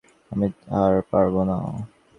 আমি আর পারব না।